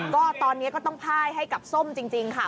ก็ตอนนี้ก็ต้องพ่ายให้กับส้มจริงค่ะ